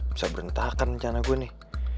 bisa berentahkan rencana gue nih